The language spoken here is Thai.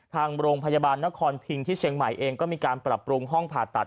ทางโรงพยาบาลนครพิงที่เชียงใหม่เองก็มีการปรับปรุงห้องผ่าตัด